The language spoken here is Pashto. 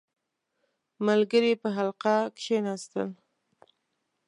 • ملګري په حلقه کښېناستل.